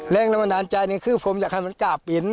แรงละมนาญใจนี่คือผมอยากทำเหมือนกราบอิน